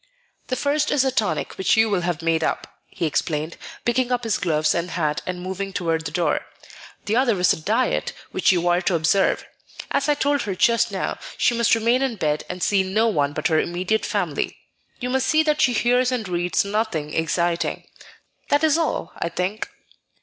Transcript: "The first is a tonic which you will have made up," he explained, picking up his gloves and hat and moving toward the door; "the other is a diet which you are to observe. As I told her just now, she must remain in bed and see no one but her immediate family; you must see that she hears and reads nothing exciting. That is all, I think."